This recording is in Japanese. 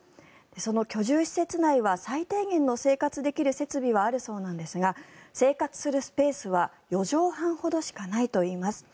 その居住施設内は最低限の生活できる設備はあるそうですが生活するスペースは４畳半ほどしかないといいます。